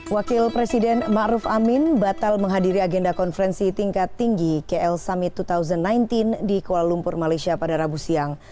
wakil presiden ⁇ maruf ⁇ amin batal menghadiri agenda konferensi tingkat tinggi kl summit dua ribu sembilan belas di kuala lumpur malaysia pada rabu siang